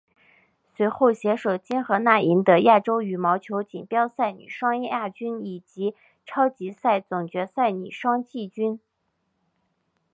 随后携手金荷娜赢得亚洲羽毛球锦标赛女双亚军以及超级赛总决赛女双季军。